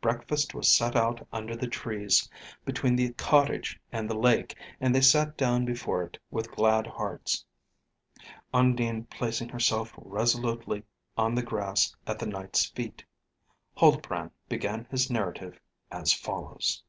Breakfast was set out under the trees between the cottage and the lake, and they sat down before it with glad hearts, Undine placing herself resolutely on the grass at the Knight's feet. Huldbrand began his narrative as follows.